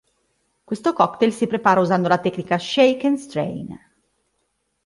Questo cocktail si prepara usando la tecnica "Shake and strain".